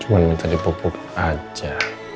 cuma minta dipupuk aja